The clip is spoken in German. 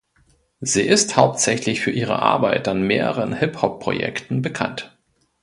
Sie ist hauptsächlich für ihre Arbeit an mehreren Hip-Hop Projekten bekannt.